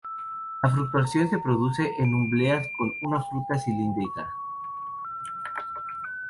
La fructificación se produce en umbelas con una fruta cilíndrica.